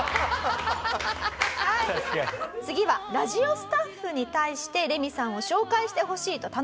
次はラジオスタッフに対してレミさんを紹介してほしいと頼んだんです。